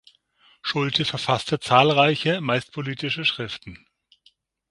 Schulte verfasste zahlreiche meist politische Schriften.